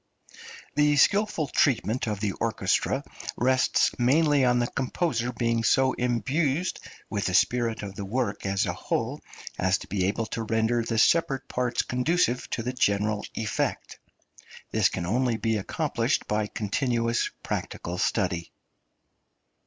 The skilful treatment of the orchestra rests mainly on the composer being so imbued with the spirit of the work as a whole as to be able to render the separate parts conducive to the general effect. This can only be accomplished by continuous practical study.